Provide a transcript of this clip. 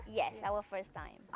ya pertama kali kami ke sini